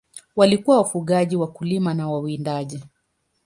Walikuwa wafugaji, wakulima na wawindaji.